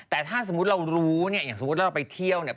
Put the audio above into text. แต่ถ้าสมมุติเรารู้เนี่ยอย่างสมมุติแล้วเราไปเที่ยวเนี่ย